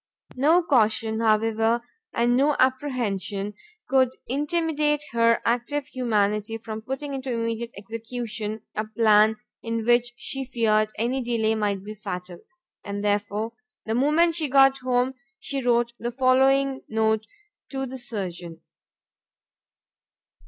No caution, however, and no apprehension, could intimidate her active humanity from putting into immediate execution a plan in which she feared any delay might be fatal; and therefore the moment she got home, she wrote the following note to the surgeon.